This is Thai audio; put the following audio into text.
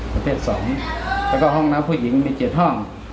ประเภท๒แล้วก็ห้องน้ำผู้หญิงมี๗ห้อง